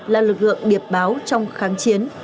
là lực lượng điệp báo trong kháng chiến